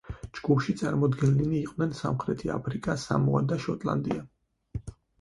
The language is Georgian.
ჯგუფში წარმოდგენილნი იყვნენ სამხრეთი აფრიკა, სამოა და შოტლანდია.